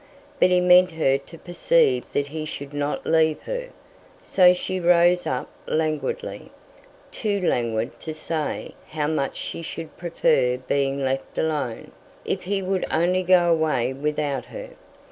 But he meant her to perceive that he should not leave her; so she rose up languidly, too languid to say how much she should prefer being left alone, if he would only go away without her.